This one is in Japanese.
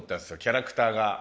キャラクターが。